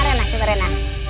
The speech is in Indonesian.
rena yang pegang